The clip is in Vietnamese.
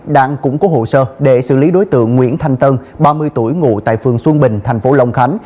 đang cũng có hồ sơ để xử lý đối tượng nguyễn thanh tân ba mươi tuổi ngủ tại phường xuân bình thành phố long khánh